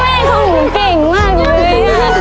เป็นไหมผมเก่งมากเลย